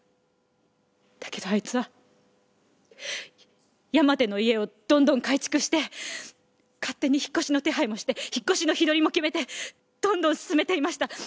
だけどあいつは山手の家をどんどん改築して勝手に引っ越しの手配もして引っ越しの日取りも決めてどんどん進めていました。